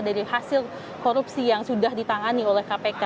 dari hasil korupsi yang sudah ditangani oleh kpk